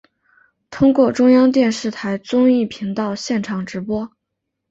通过中央电视台综艺频道现场直播。